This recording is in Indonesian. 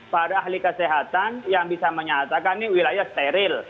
para ahli kesehatan yang bisa menyatakan ini wilayah steril